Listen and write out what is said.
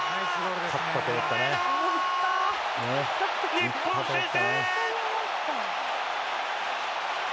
日本、先制！